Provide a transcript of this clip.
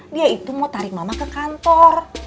dia itu mau tarik mama ke kantor